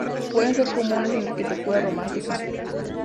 Pueden ser comunes en la arquitectura románica.